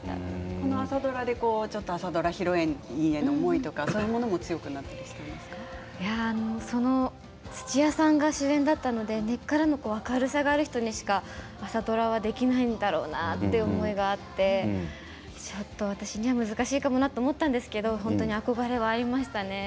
この作品で朝ドラヒロインへの思いという土屋さんが主演だったので根っからの明るさがある方でないと朝ドラはできないんだろうなという思いがあってちょっと私には難しいかもなと思ったんですけど憧れはありましたね。